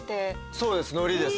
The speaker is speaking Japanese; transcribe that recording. そうですのりですね。